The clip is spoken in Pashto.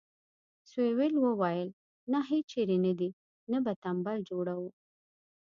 سویلو وویل نه هیچېرې نه دې نه به تمبل جوړوو.